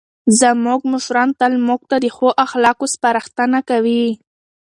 زموږ مشران تل موږ ته د ښو اخلاقو سپارښتنه کوي.